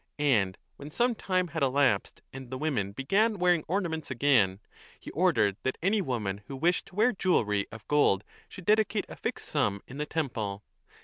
And when some time had elapsed and the women began wearing ornaments again, he ordered that any woman who wished to wear jewellery of gold should dedicate a fixed sum in the temple.